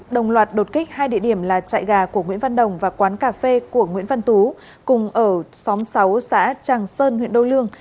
đồng loạt đột kích hai địa điểm là chạy gà của nguyễn văn đồng và quán cà phê của nguyễn văn tú cùng ở xóm sáu xã tràng sơn huyện đô lương